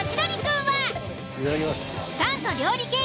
いただきます。